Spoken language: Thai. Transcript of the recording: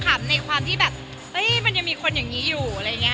ก็ขัมในความที่แบบมันยังมีคนอย่างนี้อยู่